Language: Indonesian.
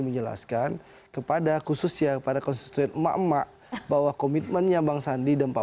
menjelaskan kepada khususnya kepada konstituen emak emak bahwa komitmennya bang sandi dan pak